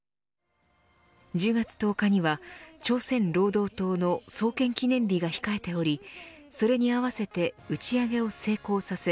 １０月１０日には朝鮮労働党の創建記念日が控えておりそれに合わせて打ち上げを成功させ